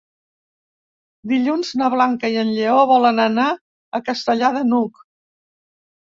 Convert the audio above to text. Dilluns na Blanca i en Lleó volen anar a Castellar de n'Hug.